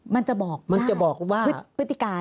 มันจะบอกว่าพฤติการ